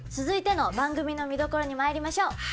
続いての番組の見どころにまいりましょう。